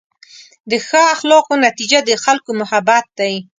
د ښه اخلاقو نتیجه د خلکو محبت دی.